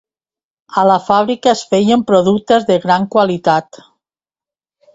A la fàbrica es feien productes de gran qualitat.